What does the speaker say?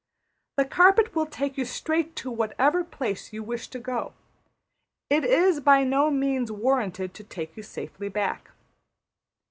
The carpet will take you straight \emph{to} whatever place you wish to go to. It is by no means warranted to take you safely back.